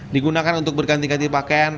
digunakan untuk berganti ganti pakaian